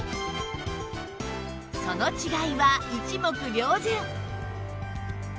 その違いは一目瞭然